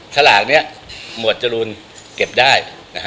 สลากนี้หมวดจรูนเก็บได้